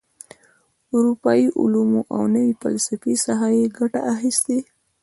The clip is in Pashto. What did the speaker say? اروپايي علومو او نوي فسلفې څخه یې ګټه اخیستې.